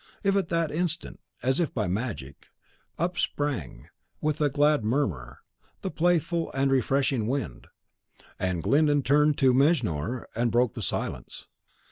At that instant, as if by magic, up sprang, with a glad murmur, the playful and freshening wind: and Glyndon turned to Mejnour and broke the silence.